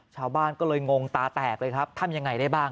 ชาวบ้านก็เลยงงตาแตกเลยครับทำยังไงได้บ้าง